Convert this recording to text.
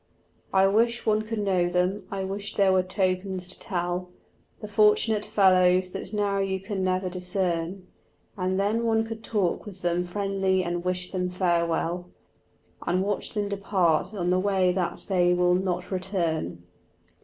I wish one could know them, I wish there were tokens to tell The fortunate fellows that now you can never discern; And then one could talk with them friendly and wish them farewell And watch them depart on the way that they will not return.